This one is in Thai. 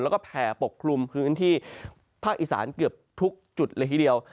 แล้วก็แผ่ปกคลุมพื้นที่ภาคอีสานเกือบทุกจุดเลยทีเดียว